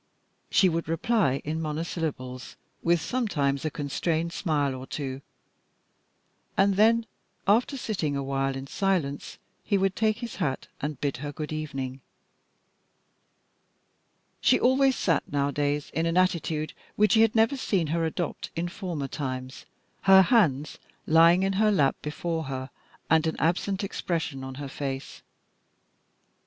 She would reply in monosyllables, with sometimes a constrained smile or two, and then, after sitting a while in silence, he would take his hat and bid her good evening. She always sat nowadays in an attitude which he had never seen her adopt in former times, her hands lying in her lap before her, and an absent expression on her face.